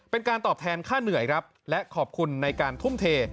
เป็นการตอบแทนค่าเหนื่อยครับและขอบคุณในการทุ่มเท